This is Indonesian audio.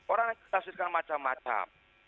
orang yang kita hasilkan macam macam